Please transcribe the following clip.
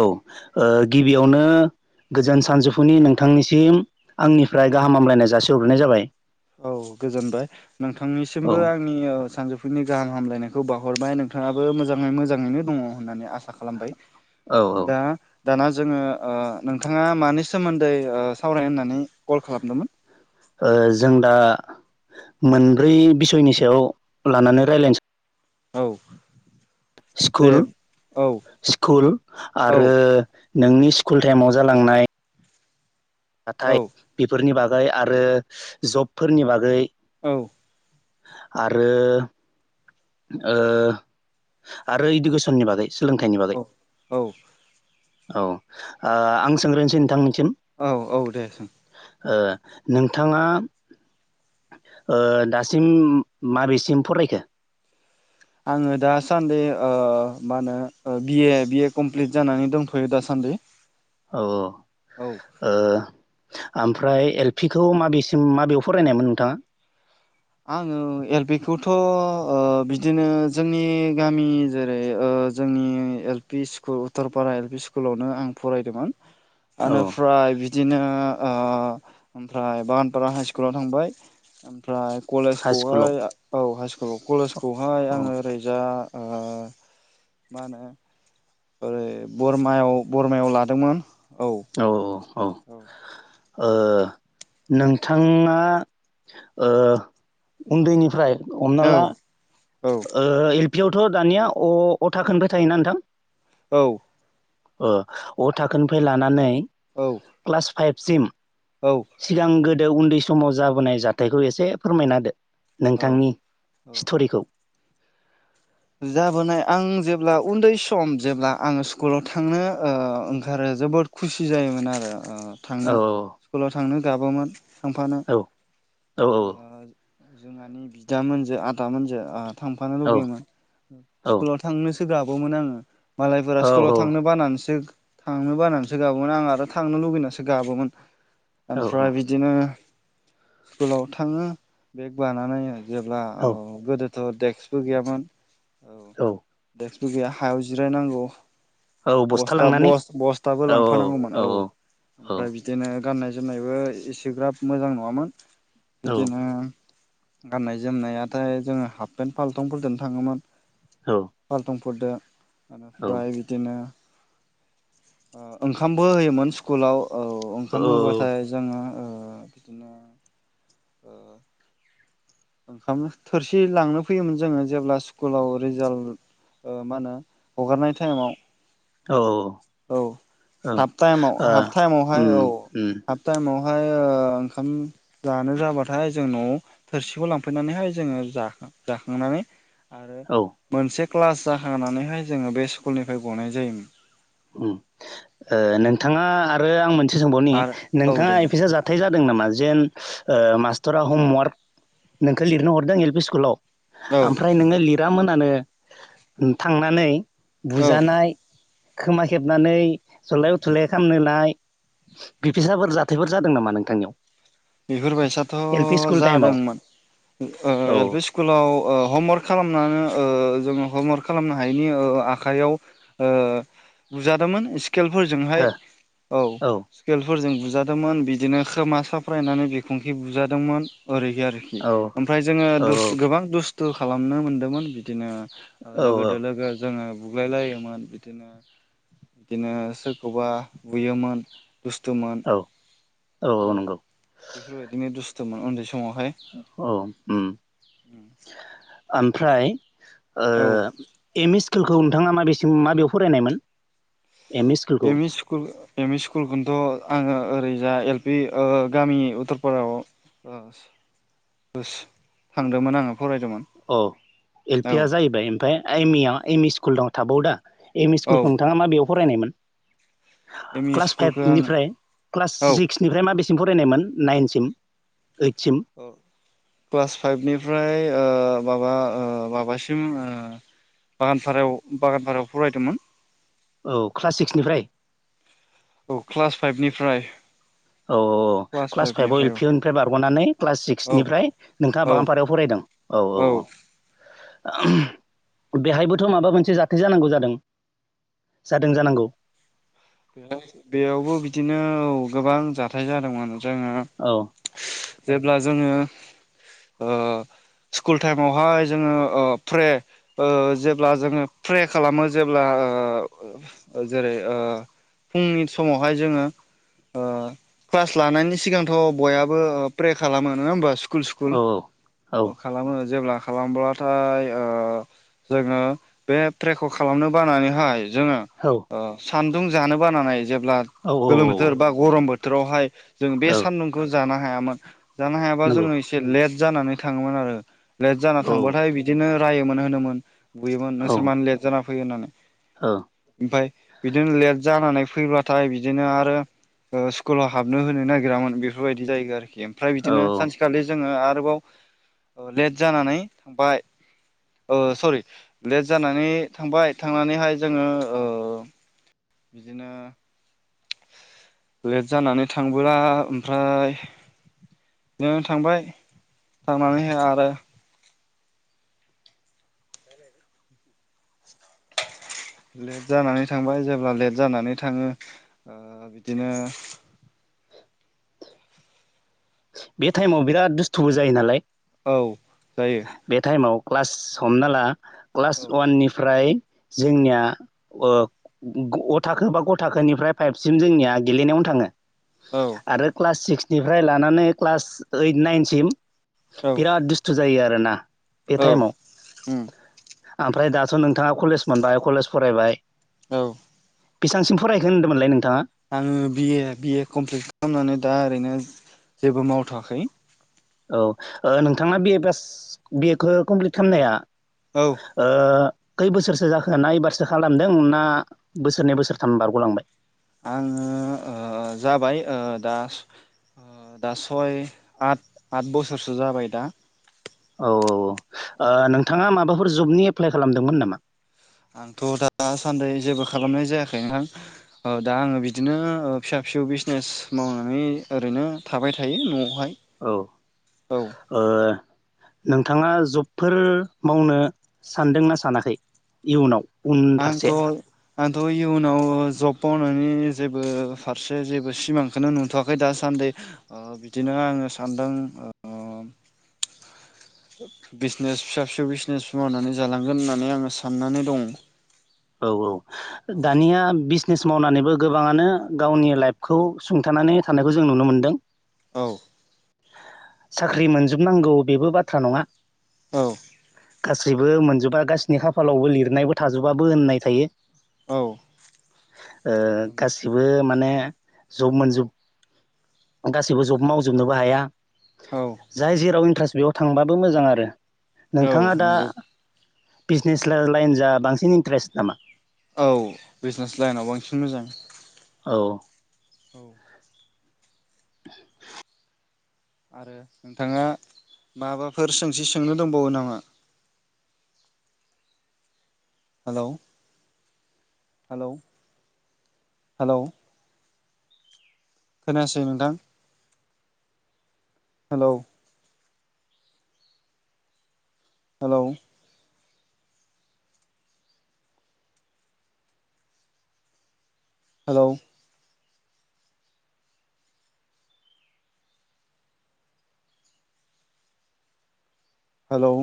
औ ओ गिबियावनो गोजोन सानजौफुनि नोंथांनिसिम आंनिफ्राय गाहाम हामग्लायनाय जासि हरग्रोनाय जाबाय। औ गोजोनबाय। औ नोंथांनिसिमबो आंनि ओ सानजौ फुनि गाहाम हामग्लायनायखौ बावहरबाय नोंथाङाबो मोजाङै मोजाङैनो दङ होननानै आसा सा खालामबाय। ओ दा दाना जोङो ओ नोंथाङा मानि सोमोन्दै सावरायनो होननानै कल खालामदोमोन? ओ जों दा मोनब्रै बिसयनि सायाव लानानै रायज्लायनो सा औ दे स्कुल औ स्कुल औ आरो नोंनि स्कुल टाइमाव जालांनाय औ नाथाय बेफोरनि बागै आरो जबफोरनि बागै औ आरो ओ आरो इडुकेसननि बागै सोलोंथाइनि बागै औ औ आ आं सोंग्रोनोसै नोंथांनिथिम औ औ दे सों ओ नोंथाङा ओ दासिम माबेसिम फरायखो? आङो दासान्दि ओ मा होनो बिए बिए कमप्लिट जानानै दंथैयो दा सान दै औ ओ ओमफ्राय एल पि खौ माबेसिम माबेयाव फरायनायमोन नोंथाङा? आङो एल पि खौथ' ओ बिदिनो जोंनि गामि जेरै ओ जोंनि L P school Uttarpara L P स्कुलावनो आं फरायदोंमोन। औ एनोफ्राय बिदिनो ओ ओमफ्राय बागानफारा हाइस्कुलाव थांबाय ओमफ्राय हाइ स्कुलाव कलेजखौहाय औ हाइ स्कुलाव कलेजखौहाय औ आङो ओरै जा ओ मा होनो? ओरै बरमायाव बरमायाव लादोंमोन औ। औ ओ नोंथाङा ओ उन्दैनिफ्राय हमना ला औ औ ओ एल पि आवथ दानिया अ अथाखोनिफ्राय थायोना नोंथां? औ ओ अ थाखोनिफ्राय लानानै औ क्लास फाइभसिम औ सिगां गोदो उन्दै समाव जाबोनाय जाथायखौ एसे फोरमायना होदो। नोंथांनि औ औ सिथरिखौ जाबोनाय आं जेब्ला उन्दै सम जेब्ला आङो स्कुलाव थांनो ओ ओंखारो। जोबोद खुसि जायोमोन आरो ओ औ थांनो स्कुलाव थांनो गाबोमोन थांफानो औ औ औ ओ जोंहानि बिदामोनजो आदामोनजो ओ थांफानो औ लुगैयोमोन औ स्कुलाव थांनो सै सोगाबोमोन [unintelligible] आङो मालायफोरा औ स्कुलाव औ थांनो बानानैसो थांनो बानानैसो गाबोमोन आं आरो थांनो लुगैनासो गाबोमोन औ ओमफ्राय बिदिनो स्कुलाव थाङो बेग बानानै जेब्ला औ ओ गोदो देक्सबो गैयामोन औ दुगैया हायाव जिरायनांगौ। औ बस्था लांनानै बस-बस्थाबो औ लांफानांगौमोन औ ओमफ्राय बिदिनो गाननाय जोमनायबो एसेग्राब मोजां नङामोन औ बिदिनो गाननाय जोमनायथाय जोङो हाफपेन्ट फालथुफोरजोंनो थाङोमोन औ फा फोरदो औ निफ्राय बिदिनो ओ ओंखामबो होयोमोन स्कुलाव औ ओंखाम होबाथाय जोङो ओ बिदिनो ओ ओंखामनो थोरसि लांनो फैयोमोन जोङो जेब्ला स्कुलाव रिजाल्ट ओ मा होनो हगारनाय टाइमाव औ औव औ हाफ ओ हाफ टाइमावहाय उम औ उम हाफ टाइमाव ओमहाय ओ ओंखाम जानो जाबाथाय जों न'वाव थोरसि खौ लांफैनानैहाय जोङो जाखां जाखांनानै आरो औ मोनसे क्लास जाखानैहाय जोङो बे स्कुलनिफ्राय गनाय जायोमोन। ओम ओ नोंथाङा आरो आं मोनसे सोंबावनि आरो औ नोंथाङा दे बुं एफिसा जाथाय जा दों नामा जेन ओ मास्टारा हमवार्क नोंखौ लिरनो हरदों एल पि स्कुलाव औ ओमफ्राय नोङो लिरामोनानो थांनानै औ बुजानाय खोमा खेबनानै जलाय उथुलाय खालामनो होनाय। बिफोरबायसाफोर जाथायफोर जादों नामा नोंथांनियाव बेफोरबायसाथ' एल पि स्कुल टाइमाव जादोंमोन। ओ औ एल पि स्कुलाव ओ हमवार्क खालामनानै ओ जोङो हमवार्क खालामनो हायिनि ओ आखाइआव ओ बुजादोंमोन स्केलफोरजोंहाय हो औव औ स्केलफोरजों बुजादोंमोन बिदिनो खोमा सा फरायनानै बिखुंखि बुजादोंमोन ओरैहाय आरोखि ओमफ्राय जोङो औ गोबां दुस स्थु खालामनो मोनदोंमोन बिदिनो औ लोगोजों लोगो जोङो बुग्लाय लायोमोन बिदिनो बिदिनो सोरखौबा बुयोमोन। दुस्थ'मोन औ औ बेफोरबायदिनो दुस्थ'मोन उन्दै सम औ ओम। ओमफ्राय ओ औ एम इ स्कु स्कुलखौ नोंथाङा माबेसिम माबेयाव फरायनायमोन। एम इ स्कुलखौ M E school M E स्कुलखौनोथ' आङो ओरैजा एल पि ओ गामि उत्तपारायाव थांदोंमोन आङो फरायदोंमोन औव एल औ पि आ जाहैबाय ओमफ्राय एम इ आ एम इ स्कुल दं थाबाव दा। एम इ औ स्कुलखौ नोंथाङा मा बेयाव फरायनायमोन। एम इ क्लास स्कुलखौ आं फाइभनिफ्राय क्लास औ सिक्सनिफ्राय मा बेसे सिम फरायनायमोन नाइनसिम। ओइदसिम क्लास फाइभनिफ्राय ओ माबा माबासिम ओ बागानपारायाव बागानपारायाव फरायदोंमोन। औव क्लास सिक्सनिफ्राय औव क्लास फाइभनिफ्राय औ औ औ औ क्लास फाइभआव एल फाइभनिफ्राय औ पि निफ्राय बारग'नानै क्लास औ सिक्सनिफ्राय नोंथाङा औ बागानपारायाव फरायदों औ औ औ बेहायबोथ' माबा मोनसे जाथाय जानांगौ जादों। जादों जानांगौ। बे बेयावबो बिदिनो औ गोबां जाथाय जादोंमोन जोङो औ जेब्ला जोङो ओ स्कुल टाइमावहाय जोङो ओ फ्रे ओ जेब्ला जोङो फ्रे खालामो जेब्ला ओ जेरै ओ फुंनि समावहाय जोङो ओ क्लास लानायनि सिगांथ' बयाबो प्रे खालामो नङा होमबा स्कुल स्कुल औ औ खालामो जेब्ला खालामब्लाथाय ओ जोङो बे फ्रेखौ खालामनो बानानैहाय जोङो औ सान्दुं जानो बानानै जेब्ला औ औ गोलोम औ बोथोर बा गरम बोथोर बोथोरावहाय जों बे औ सान्दुंखौ जानो हायामोन जानो हायाबा नंगौ जोङो एसे लेट जानानै थाङोमोन आरो लेट जाना औ थांबाथाय बिदिनो रायोमोन होनोमोन। बुयोमोन औ नोंसोर मानो लेट जाना फैयो होननानै औ ओमफ्राय बिदिनो लेट जानानै फैब्लाथाय बिदिनो आरो ओ स्कुलाव हाबनो होनो नागिरामोन बेफोरबायदि जायोमोन आरो ओमफ्राय बिदिनो औ सानसेखालि जोङो आरोबाव लेट जानानै थांबाय ओ सरि लेट जानानै थांबाय थांनानैहाय जोङो ओ बिदिनो लेट जानानै थांबोला ओमफ्राय बिदिनो थांबाय थांनानैहाय आरो लेट जानानै थांबाय जेब्ला लेट जानानै थाङो ओ बिदिनो [inaudible] बे टाइमाव बिराद दुस्थुबो जायो नालाय औ जायो बे टाइमाव क्लास हमना ला औ क्लास वाननिफ्राय जोंनिया ओ ग थाखो बा गथोनिफ्राय फाइभसिम जोंनिया गेलेनायावनो थाङो औ आरो क्लास सिक्सनिफ्राय लानानै क्लास ओइट नाइनसिम औ बिराद दुस्थु जायो आरोना बे औ टाइमाव उम ओमफ्राय दाथ' नोंथाङा कलेज मोनबाय कलेज फरायबाय औ बेसेबांसिम फरायखो होन्दोंमोनलाय नोंथाङा आङो बिए बिए कमप्लिट खालामनानै दा ओरैनो जेबो मावथ'वाखै औ ओ नोंथाङा बि ए बास बि एखौ कमप्लिट खालामनाया औ ओ खै बोसोरसो जाखो ना एबारसो खालामदों ना बोसोरनै बोसोरथाम बारग'लांबाय आङो ओ जाबाय दा दा सय आथ आथ बोसोरसो जाबाय दा औ औ औ नोंथाङा माबाफोर जबनि एप्लाइ खालामदोंमोन नामा आंथ' दासान्दै जेबो खालामनाय जायाखै नोंहां दा आङो बिदिनो फिसा फिसौ बिजनेस मावनानै ओरैनो थाबाय थायो न'आवहाय औ औ ओ नोंथाङा जब फोर मावनो सानदोंना सानाखै इयुनाव आंथ' उनफारसे आंथ' इयुनाव जफन नि जेबो फारसे जेबो सिमांखौनो नुथ'वाखै दासान्दि बिदिनो आङो सान्दों ओ [inaudible] बिजनेस फिसा फिसौ बिजनेस मावनानै जालांगोन होननानै आङो साननानै दं औ औ दानिया बिस बिजनेस मावनानैबो गोबाङानो गावनि लाइफखौ सुंथानानै थानायखौ जों नुनो मोनदों औ साख्रि मोनजोबनांगौ बेबो बाथ्रा नङा औ गासैबो मोनजोबा गाससिनि खाफालावबो लिरनायबो थाजोबाबो होननाय थायो ओ गासिबो माने जब मोनजोब गासैबो जब मावजोबनोबो हाया औ जाय जेराव इन्ट्रेस्ट बेयाव थांबाबो मोजां आरो औ नोंथाङा दा नंगौ बिजनेस लाइन जा बांसिन इन्टारेस्ट नामा औ बिजनेस लाइनाव बांसिन मोजां औ [inaudible] [inaudible] आरो नोंथाङा माबाफोर सोंसि सोंनो दंबावो नामा [inaudible] हेलौ हेलौ हेलौ खोनायासै नोंथां हेलौ हेलौ हेलौ हेलौ